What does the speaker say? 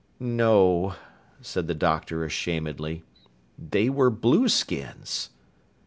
"No," said the doctor ashamedly. "They were blueskins."